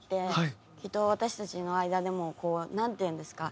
きっと私たちの間でもこうなんていうんですか。